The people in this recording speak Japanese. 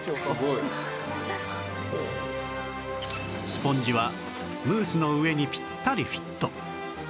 スポンジはムースの上にピッタリフィット